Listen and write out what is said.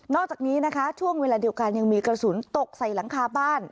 อกจากนี้นะคะช่วงเวลาเดียวกันยังมีกระสุนตกใส่หลังคาบ้าน